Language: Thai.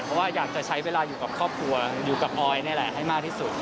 เพราะว่าอยากจะใช้เวลาอยู่กับครอบครัวอยู่กับออยนี่แหละให้มากที่สุด